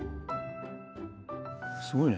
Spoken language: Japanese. すごいね。